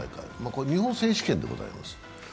これは日本選手権でございます。